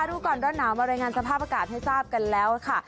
รู้ก่อนร้อนหนาวมารายงานสภาพอากาศให้ทราบกันแล้วค่ะ